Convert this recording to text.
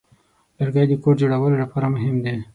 لرګی د کور جوړولو لپاره مهم دی.